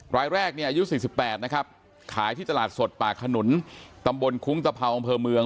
รายแรกเนี่ยอายุ๔๘นะครับขายที่ตลาดสดป่าขนุนตำบลคุ้งตะเผาอำเภอเมือง